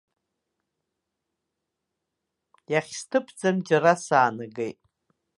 Иахьсҭыԥӡам џьара саанагеит.